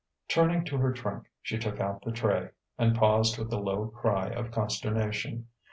Turning to her trunk, she took out the tray and paused with a low cry of consternation.